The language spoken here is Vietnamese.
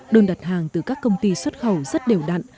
đơn đặt hàng từ các công ty xuất khẩu rất đều đặn